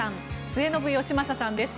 末延吉正さんです。